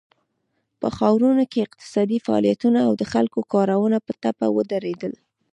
په ښارونو کې اقتصادي فعالیتونه او د خلکو کارونه په ټپه ودرېدل.